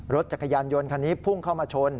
รถจักรยานยนต์คันนี้พุ่งเข้ามาชน